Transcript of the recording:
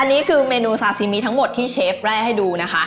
อันนี้คือเมนูซาซิมิทั้งหมดที่เชฟแร่ให้ดูนะคะ